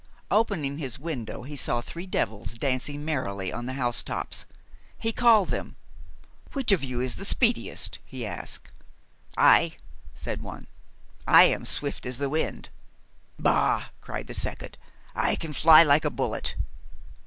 Opening his window, he saw three devils dancing merrily on the housetops. He called them. "Which of you is the speediest?" he asked. "I," said one, "I am swift as the wind." "Bah!" cried the second, "I can fly like a bullet."